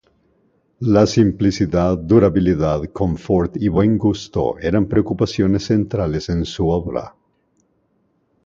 La simplicidad, durabilidad, confort y buen gusto eran preocupaciones centrales en su obra.